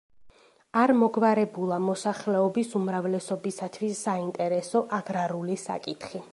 არ მოგვარებულა მოსახლეობის უმრავლესობისათვის საინტერესო აგრარული საკითხი.